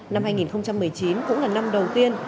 năm hai nghìn một mươi chín cũng là năm đầu tiên